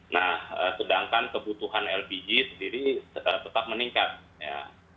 nah sedangkan kebutuhan lpg sendiri tetap meningkat ya